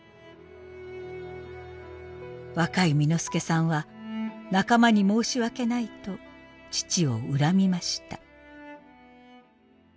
若い簑助さんは仲間に申し訳ないと父を恨みました。